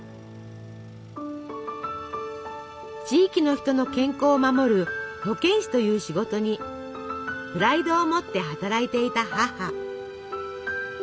地域の人の健康を守る保健師という仕事にプライドを持って働いていた母。